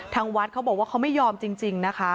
ทางวัดเขาบอกว่าเขาไม่ยอมจริงนะคะ